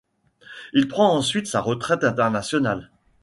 Il prend ensuite sa retraite internationale.